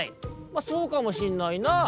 「まあそうかもしんないなぁ」。